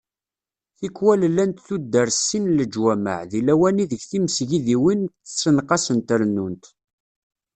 Tikwal llant tuddar s sin n leǧwamaɛ, di lawan ideg timesgidiwin ttenqasent rennunt.